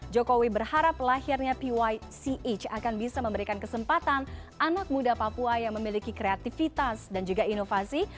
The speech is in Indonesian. jokowi berharap lahirnya pych akan bisa memberikan kesempatan anak muda papua yang memiliki kreativitas dan juga inovasi